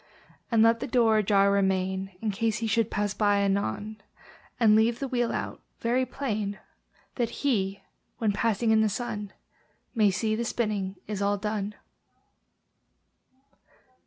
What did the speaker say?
And let the door ajar remain, In case he should pass by anon; And leave the wheel out very plain, That HE, when passing in the sun, May see the spinning is all done.